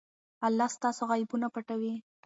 الله ستاسو عیبونه پټوي.